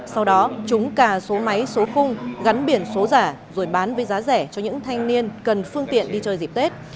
sau đó chúng cà số máy số khung gắn biển số giả rồi bán với giá rẻ cho những thanh niên cần phương tiện đi chơi dịp tết